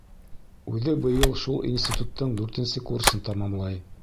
Үҙе быйыл шул институттың дүртенсе курсын тамамлай.